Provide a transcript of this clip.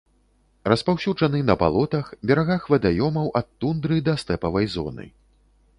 Распаўсюджаны на балотах, берагах вадаёмаў ад тундры да стэпавай зоны.